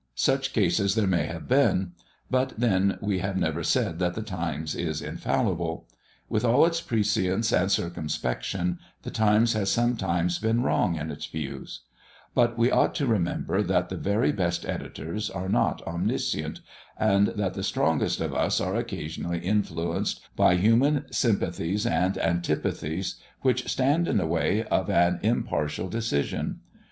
Such cases there may have been; but then we have never said that the Times is infallible. With all its prescience and circumspection, the Times has sometimes been wrong in its views; but we ought to remember that the very best editors are not omniscient, and that the strongest of us are occasionally influenced by human sympathies and antipathies, which stand in the way of an impartial decision.